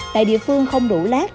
tại địa phương không đủ lát